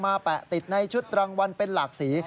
แปะติดในชุดรางวัลเป็นหลากสี